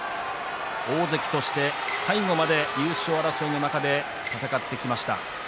大関として最後まで優勝争いの中で戦ってきました。